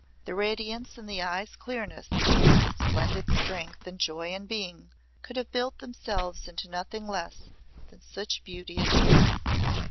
The radiance in the eyes' clearness, the splendid strength and joy in being, could have built themselves into nothing less than such beauty as this.